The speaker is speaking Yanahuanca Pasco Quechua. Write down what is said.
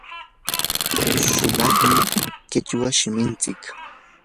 sumaqmi qichwa shiminchik.